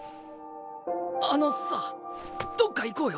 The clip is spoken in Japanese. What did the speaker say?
あのさどっか行こうよ。